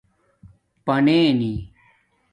پننی